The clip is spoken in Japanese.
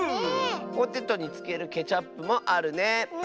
ポテトにつけるケチャップもあるね。